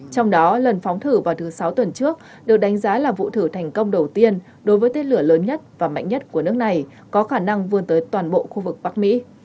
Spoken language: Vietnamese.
trong đó lần phóng thử vào thứ sáu tuần trước được đánh giá là vụ thử thành công đầu tiên đối với tên lửa lớn nhất và mạnh nhất của nước này có khả năng vươn tới toàn bộ khu vực bắc mỹ